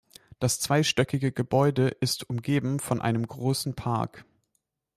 Das zweistöckige Gebäude ist umgeben von einem großen Park.